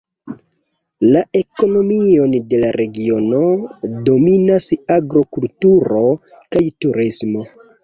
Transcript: La ekonomion de la regiono dominas agrokulturo kaj turismo.